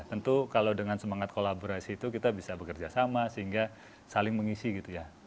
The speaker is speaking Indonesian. tentu kalau dengan semangat kolaborasi itu kita bisa bekerja sama sehingga saling mengisi gitu ya